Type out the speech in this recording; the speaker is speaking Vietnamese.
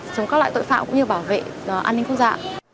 chống các loại tội phạm cũng như bảo vệ an ninh quốc gia